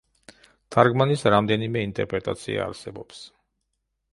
თარგმანის რამდენიმე ინტერპრეტაცია არსებობს.